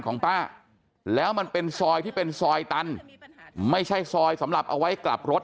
ของป้าแล้วมันเป็นซอยที่เป็นซอยตันไม่ใช่ซอยสำหรับเอาไว้กลับรถ